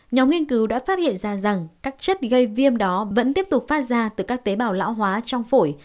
nhóm nghiên cứu đã phát hiện ra rằng các chất gây viêm đó vẫn tiếp tục phát ra từ các tế bào lão hóa trong phổi